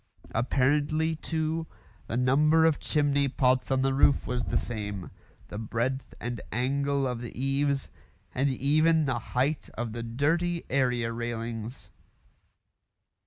Apparently, too, the number of chimney pots on the roof was the same; the breadth and angle of the eaves; and even the height of the dirty area railings.